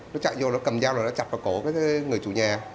nó chạy vô nó cầm dao rồi nó chặt vào cổ cái người chủ nhà